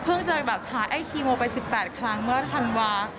เพิ่งจะช้าไอฮีโมไป๑๘ครั้งเมื่อทางวา